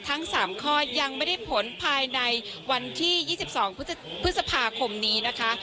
ทั้งสามข้อยังไม่ได้ผลภายในวันที่ยี่สิบสองพฤษภาคมนี้นะคะ